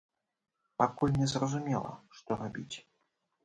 Пакуль не зразумела, што рабіць.